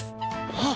あっ。